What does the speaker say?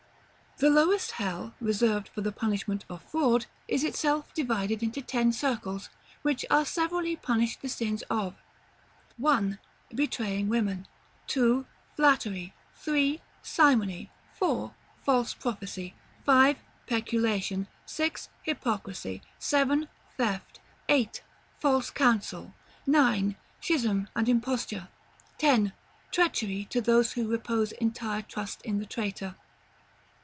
The lowest hell, reserved for the punishment of Fraud, is itself divided into ten circles, wherein are severally punished the sins of, 1. Betraying women. 2. Flattery. 3. Simony. 4. False prophecy. 5. Peculation. 6. Hypocrisy. 7. Theft. 8. False counsel. 9. Schism and Imposture. 10. Treachery to those who repose entire trust in the traitor.